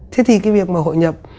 thế thì cái việc mà hội nhập